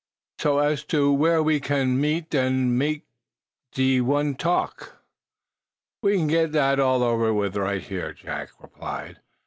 "So, as to w'ere we can meet and mek ze one talk " "We can get that all over with, right here," Jack replied.